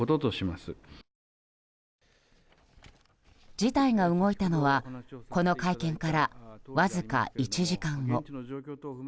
事態が動いたのはこの会見からわずか１時間後。